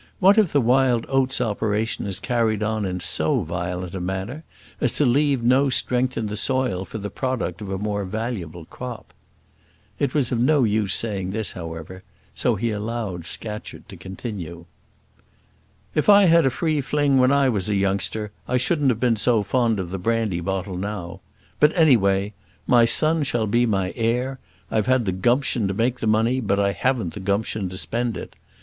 "What if the wild oats operation is carried on in so violent a manner as to leave no strength in the soil for the product of a more valuable crop?" It was of no use saying this, however, so he allowed Scatcherd to continue. "If I'd had a free fling when I was a youngster, I shouldn't have been so fond of the brandy bottle now. But any way, my son shall be my heir. I've had the gumption to make the money, but I haven't the gumption to spend it.